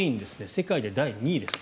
世界で第２位です。